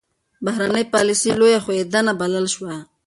بهرنۍ پالیسي لویه ښوېېدنه بلل شوه.